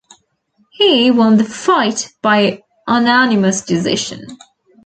He won the fight by unanimous decision.